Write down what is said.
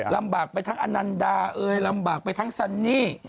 ลำบากไปทั้งอนันดาเอยลำบากไปทั้งซันนี่